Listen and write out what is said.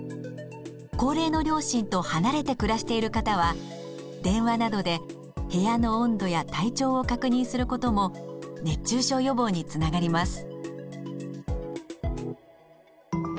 高齢の両親と離れて暮らしている方は電話などで部屋の温度や体調を確認することも熱中症予防につながります。